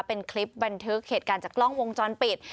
เป็นคลิปบันทึกเหตุการณ์จากกล้องวงจรปิด